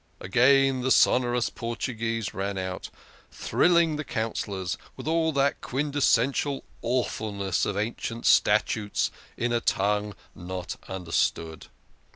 Again the sonorous Portuguese rang out, thrilling the Councillors with all that quintessential awfulness of ancient statutes in a tongue not understood.